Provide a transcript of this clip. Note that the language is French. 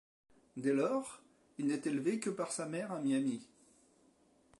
Dès lors, il n'est élevé que par sa mère à Miami.